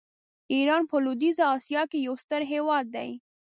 ایران په لویدیځه آسیا کې یو ستر هېواد دی.